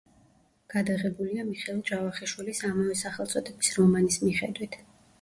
გადაღებულია მიხეილ ჯავახიშვილის ამავე სახელწოდების რომანის მიხედვით.